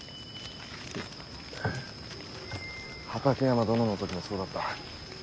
畠山殿の時もそうだった。